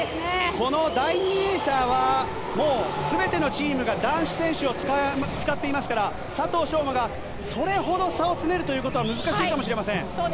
この第２泳者は全てのチームが男子選手を使っていますから佐藤翔馬がそれほど差を詰めるということは難しいかもしれません。